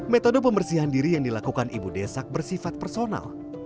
metode pembersihan diri yang dilakukan ibu desak bersifat personal